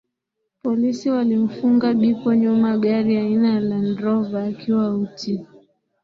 Polisi walimfunga Biko nyuma gari aina ya Land Rover akiwa uchi